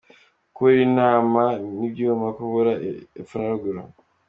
Kubura intama n’ibyuma = kubura epfo na ruguru.